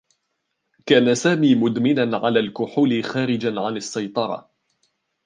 كان سامي مدمنا على الكحول خارج عن السّيطرة.